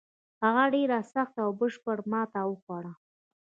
هغه ډېره سخته او بشپړه ماته وخوړه.